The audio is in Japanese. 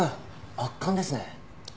圧巻ですね。